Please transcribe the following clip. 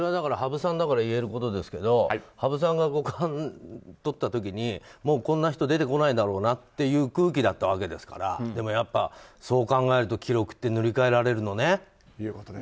羽生さんだから言えることですけど羽生さんが五冠とった時にもうこんな人出てこないだろうなという空気だったわけですからやっぱそう考えると記録って塗り替えられるのね。